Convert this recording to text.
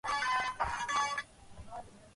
গোরা কহিল, না, সে কিছুতেই হবে না।